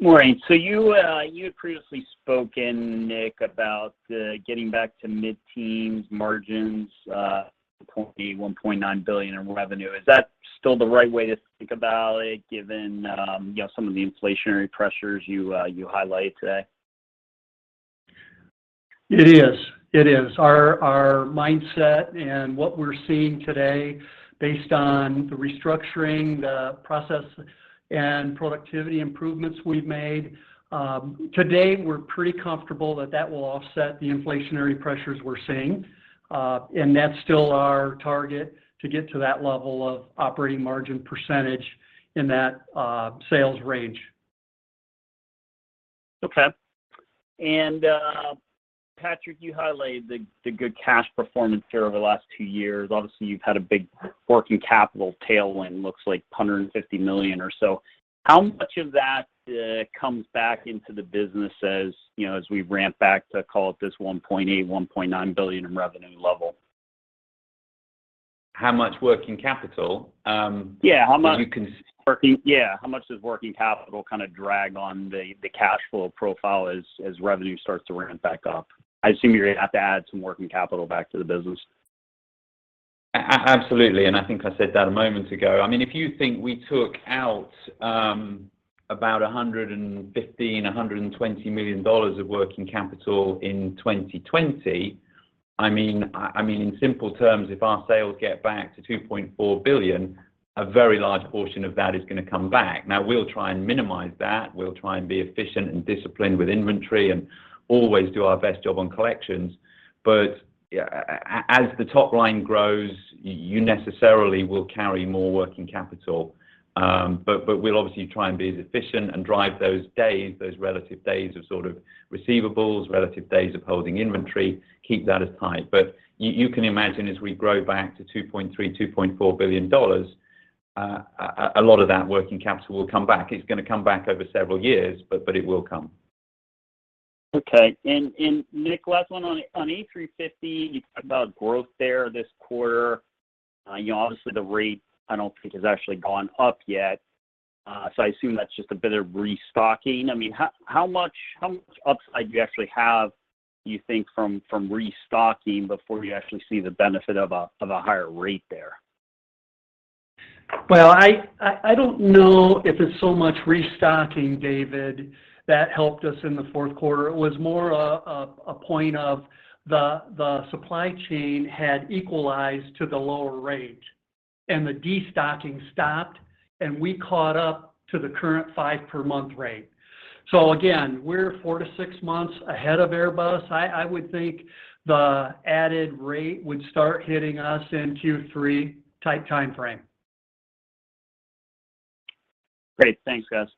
Morning. You had previously spoken, Nick, about getting back to mid-teens margins, $1.9 billion in revenue. Is that still the right way to think about it, given some of the inflationary pressures you highlighted today? It is. Our mindset and what we're seeing today based on the restructuring, the process and productivity improvements we've made, today we're pretty comfortable that that will offset the inflationary pressures we're seeing. That's still our target to get to that level of operating margin percentage in that sales range. Okay. Patrick, you highlighted the good cash performance here over the last two years. Obviously, you've had a big working capital tailwind, looks like $150 million or so. How much of that comes back into the business as, you know, as we ramp back to call it this $1.8-$1.9 billion in revenue level? How much working capital? Yeah, how much? Yeah, how much does working capital kinda drag on the cash flow profile as revenue starts to ramp back up? I assume you're gonna have to add some working capital back to the business. Absolutely, I think I said that a moment ago. I mean, if you think we took out about $115 million-$120 million of working capital in 2020, I mean, in simple terms, if our sales get back to $2.4 billion, a very large portion of that is gonna come back. Now we'll try and minimize that. We'll try and be efficient and disciplined with inventory and always do our best job on collections. Yeah, as the top line grows, you necessarily will carry more working capital. We'll obviously try and be as efficient and drive those days, those relative days of sort of receivables, relative days of holding inventory, keep that as tight. You can imagine as we grow back to $2.3 billion-$2.4 billion, a lot of that working capital will come back. It's gonna come back over several years, but it will come. Okay. Nick, last one on A350, you talked about growth there this quarter. You know, obviously the rate I don't think has actually gone up yet. I assume that's just a bit of restocking. I mean, how much upside do you actually have, do you think from restocking before you actually see the benefit of a higher rate there? Well, I don't know if it's so much restocking, David, that helped us in the fourth quarter. It was more a point of the supply chain had equalized to the lower rate, and the destocking stopped, and we caught up to the current five per month rate. We're four to six months ahead of Airbus. I would think the added rate would start hitting us in Q3 type timeframe. Great. Thanks, guys.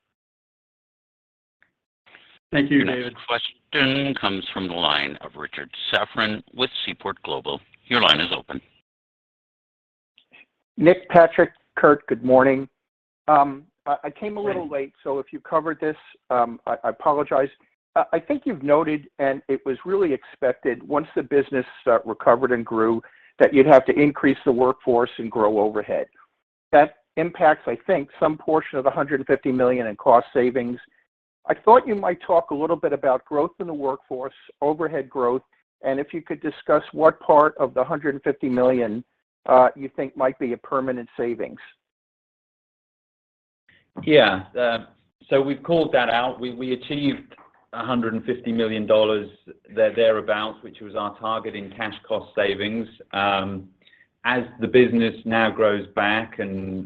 Thank you, David. Your next question comes from the line of Richard Safran with Seaport Global. Your line is open. Nick, Patrick, Kurt, good morning. I came a little late, so if you covered this, I apologize. I think you've noted, and it was really expected once the business recovered and grew, that you'd have to increase the workforce and grow overhead. That impacts, I think, some portion of the $150 million in cost savings. I thought you might talk a little bit about growth in the workforce, overhead growth, and if you could discuss what part of the $150 million you think might be a permanent savings. Yeah. We've called that out. We achieved $150 million thereabout, which was our target in cash cost savings. As the business now grows back and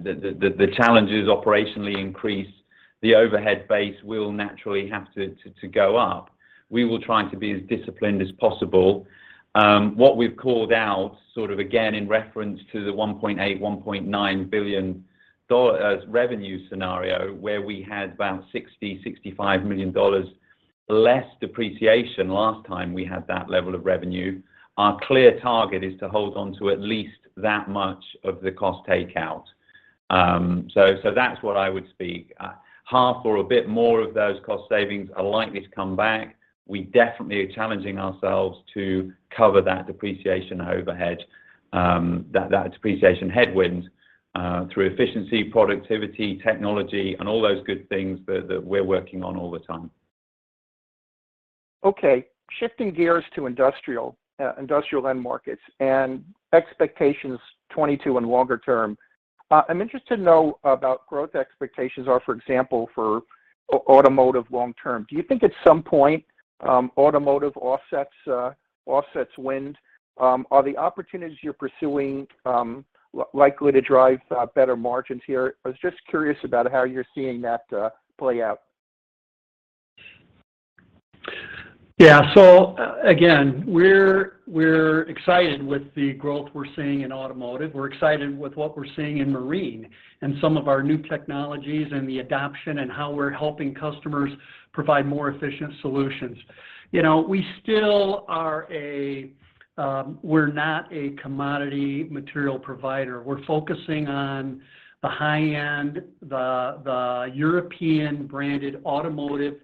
the challenges operationally increase, the overhead base will naturally have to go up. We will try to be as disciplined as possible. What we've called out, sort of again in reference to the $1.8 billion-$1.9 billion revenue scenario, where we had about $60 million-$65 million less depreciation last time we had that level of revenue, our clear target is to hold onto at least that much of the cost takeout. That's what I would speak. Half or a bit more of those cost savings are likely to come back. We definitely are challenging ourselves to cover that depreciation overhead, that depreciation headwind, through efficiency, productivity, technology, and all those good things that we're working on all the time. Okay. Shifting gears to industrial end markets and expectations 2022 and longer term, I'm interested to know about growth expectations are, for example, for automotive long term. Do you think at some point, automotive offsets wind? Are the opportunities you're pursuing likely to drive better margins here? I was just curious about how you're seeing that play out. Yeah. Again, we're excited with the growth we're seeing in automotive. We're excited with what we're seeing in marine and some of our new technologies and the adoption and how we're helping customers provide more efficient solutions. You know, we still are not a commodity material provider. We're focusing on the high-end, the European branded automotive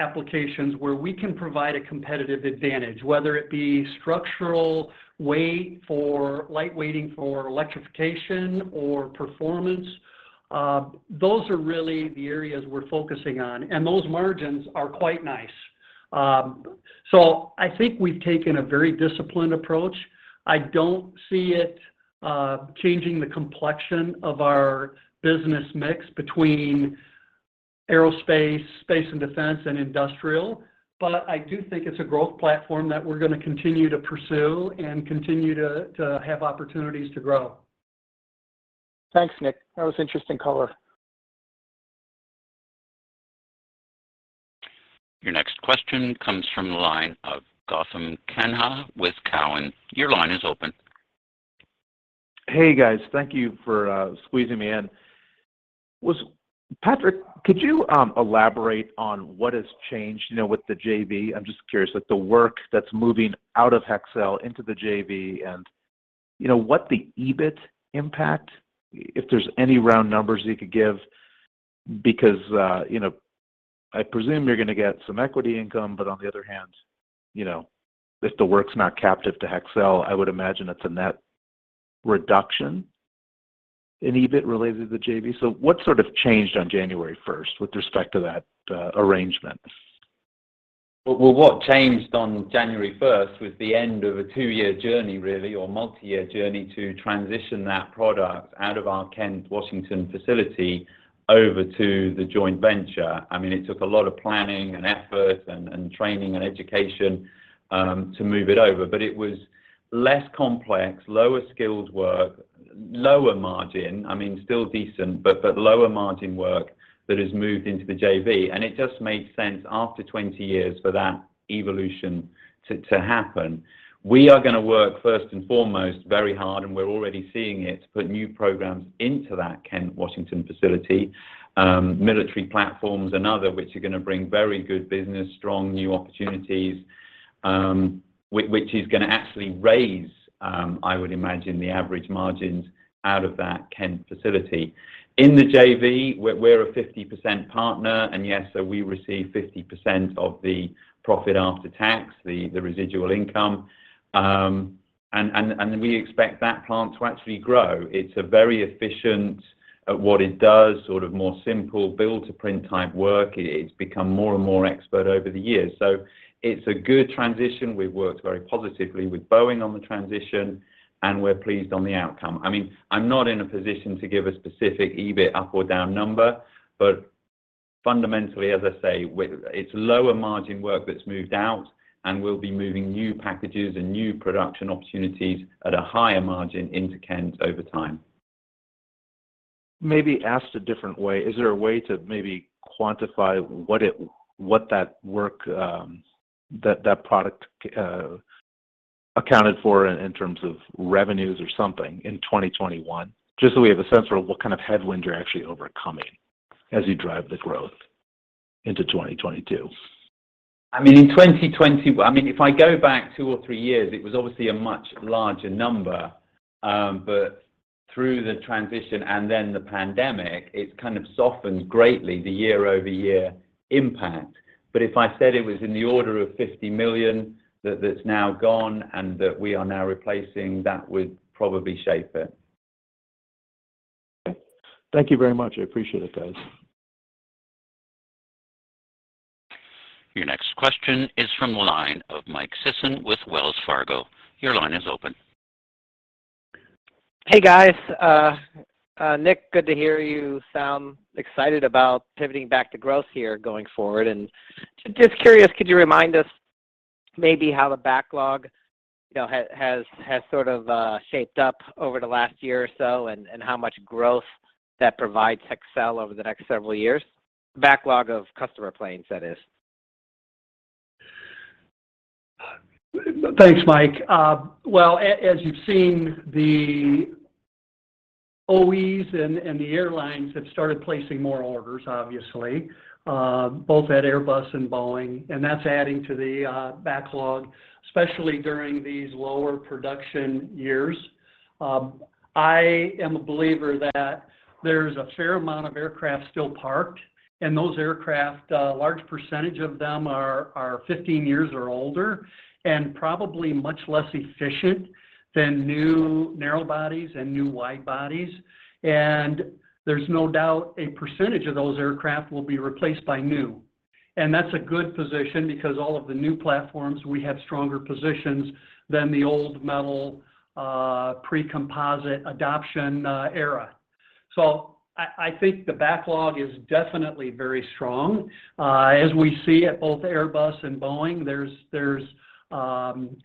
applications where we can provide a competitive advantage, whether it be structural weight for light weighting for electrification or performance, those are really the areas we're focusing on, and those margins are quite nice. I think we've taken a very disciplined approach. I don't see it changing the complexion of our business mix between Aerospace, Space and Defense, and Industrial, but I do think it's a growth platform that we're gonna continue to pursue and continue to have opportunities to grow. Thanks, Nick. That was interesting color. Your next question comes from the line of Gautam Khanna with Cowen. Your line is open. Hey, guys. Thank you for squeezing me in. Patrick, could you elaborate on what has changed, you know, with the JV? I'm just curious, like the work that's moving out of Hexcel into the JV and, you know, what the EBIT impact, if there's any round numbers you could give because, you know, I presume you're gonna get some equity income, but on the other hand, you know, if the work's not captive to Hexcel, I would imagine it's a net reduction in EBIT related to the JV. What sort of changed on January 1st with respect to that arrangement? Well, what changed on January 1st was the end of a two year journey really, or multi-year journey to transition that product out of our Kent, Washington facility over to the joint venture. I mean, it took a lot of planning and effort and training and education to move it over. But it was less complex, lower skilled work, lower margin, I mean, still decent, but lower margin work that has moved into the JV. It just made sense after 20 years for that evolution to happen. We are gonna work first and foremost very hard, and we're already seeing it, to put new programs into that Kent, Washington facility, military platforms and other which are gonna bring very good business, strong new opportunities, which is gonna actually raise, I would imagine, the average margins out of that Kent facility. In the JV, we're a 50% partner, and yes, so we receive 50% of the profit after tax, the residual income. We expect that plant to actually grow. It's very efficient at what it does, sort of more simple build-to-print type work. It's become more and more expert over the years. It's a good transition. We've worked very positively with Boeing on the transition, and we're pleased on the outcome. I mean, I'm not in a position to give a specific EBIT up or down number, but fundamentally, as I say, it's lower margin work that's moved out, and we'll be moving new packages and new production opportunities at a higher margin into Kent over time. Maybe asked a different way, is there a way to maybe quantify what that product accounted for in terms of revenues or something in 2021? Just so we have a sense for what kind of headwind you're actually overcoming as you drive the growth into 2022. I mean, in 2021. I mean, if I go back two or three years, it was obviously a much larger number. Through the transition and then the pandemic, it's kind of softened greatly the year-over-year impact. If I said it was in the order of $50 million, that's now gone and that we are now replacing, that would probably shape it. Thank you very much. I appreciate it, guys. Your next question is from the line of Mike Sison with Wells Fargo. Your line is open. Hey, guys. Nick, good to hear you sound excited about pivoting back to growth here going forward. Just curious, could you remind us maybe how the backlog, you know, has sort of shaped up over the last year or so, and how much growth that provides Hexcel over the next several years? Backlog of customer planes, that is. Thanks, Mike. Well, as you've seen, the OEMs and the airlines have started placing more orders, obviously, both at Airbus and Boeing, and that's adding to the backlog, especially during these lower production years. I am a believer that there's a fair amount of aircraft still parked, and those aircraft, a large percentage of them are 15 years or older and probably much less efficient than new narrow bodies and new wide bodies. There's no doubt a percentage of those aircraft will be replaced by new. That's a good position because all of the new platforms, we have stronger positions than the old metal, pre-composite adoption era. I think the backlog is definitely very strong. As we see at both Airbus and Boeing, there's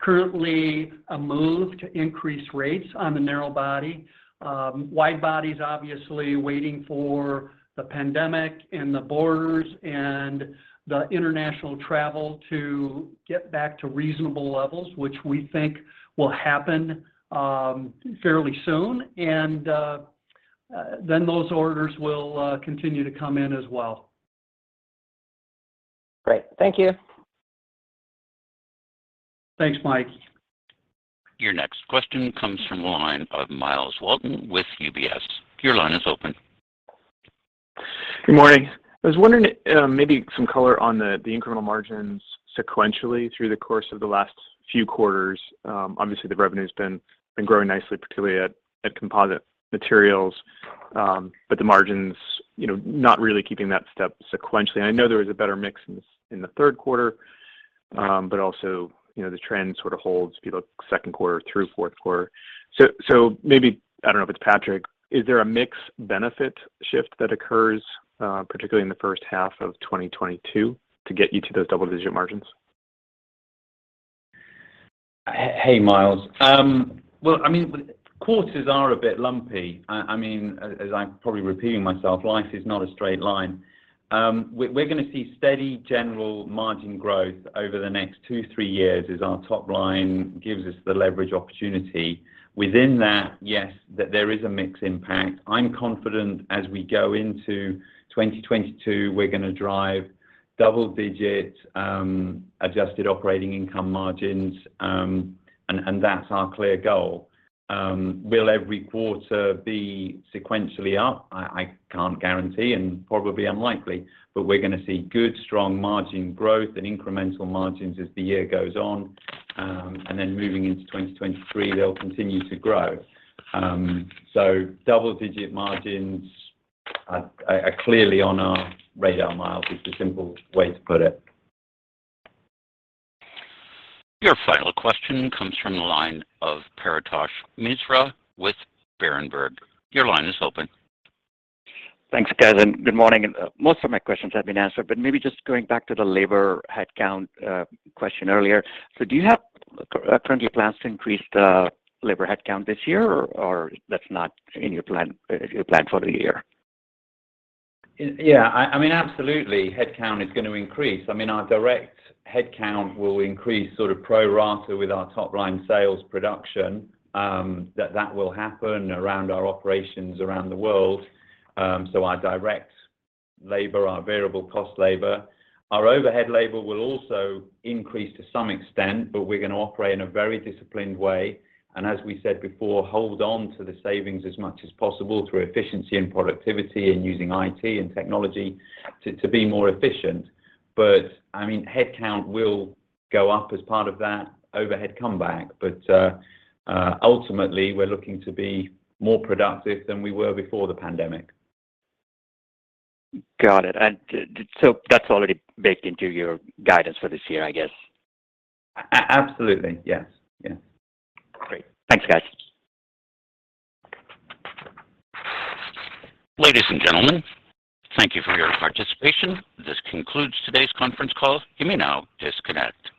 currently a move to increase rates on the narrow body. Wide body is obviously waiting for the pandemic and the borders and the international travel to get back to reasonable levels, which we think will happen fairly soon, and then those orders will continue to come in as well. Great. Thank you. Thanks, Mike. Your next question comes from the line of Myles Walton with UBS. Your line is open. Good morning. I was wondering maybe some color on the incremental margins sequentially through the course of the last few quarters. Obviously, the revenue's been growing nicely, particularly at Composite Materials, but the margins, you know, not really keeping that step sequentially. I know there was a better mix in the third quarter, but also, you know, the trend sort of holds if you look second quarter through fourth quarter. Maybe I don't know if it's Patrick, is there a mix benefit shift that occurs, particularly in the first half of 2022 to get you to those double-digit margins? Hey, Myles. Well, I mean, quarters are a bit lumpy. I mean, as I'm probably repeating myself, life is not a straight line. We're gonna see steady general margin growth over the next two, three years as our top line gives us the leverage opportunity. Within that, yes, there is a mix impact. I'm confident as we go into 2022, we're gonna drive double-digit adjusted operating income margins, and that's our clear goal. Will every quarter be sequentially up? I can't guarantee and probably unlikely, but we're gonna see good, strong margin growth and incremental margins as the year goes on. Then moving into 2023, they'll continue to grow. Double-digit margins are clearly on our radar, Myles, is the simple way to put it. Your final question comes from the line of Paretosh Misra with Berenberg. Your line is open. Thanks, guys, and good morning. Most of my questions have been answered, but maybe just going back to the labor headcount, question earlier. Do you have current plans to increase the labor headcount this year, or that's not in your plan for the year? Yeah, I mean, absolutely, headcount is gonna increase. I mean, our direct headcount will increase sort of pro rata with our top line sales production, that will happen around our operations around the world. Our direct labor, our variable cost labor, our overhead labor will also increase to some extent, but we're gonna operate in a very disciplined way, and as we said before, hold on to the savings as much as possible through efficiency and productivity and using IT and technology to be more efficient. I mean, headcount will go up as part of that overhead comeback. Ultimately, we're looking to be more productive than we were before the pandemic. Got it. That's already baked into your guidance for this year, I guess. Absolutely. Yes. Yes. Great. Thanks, guys. Ladies and gentlemen, thank you for your participation. This concludes today's conference call. You may now disconnect.